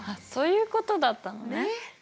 そういうことだったのね。